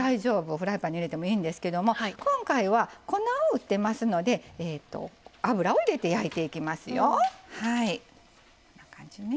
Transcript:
フライパンに入れてもいいんですけど今回は粉を振ってますので油を入れて、焼いていきますよ。